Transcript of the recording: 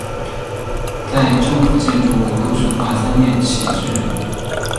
在政府建筑物都悬挂三面旗帜。